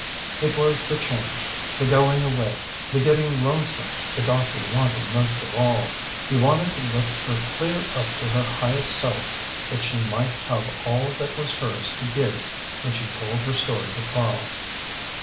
It was the change, the going away, the getting lonesome the doctor wanted most of all. He wanted to lift her clear up to her highest self that she might have all that was hers to give when she told her story to Karl.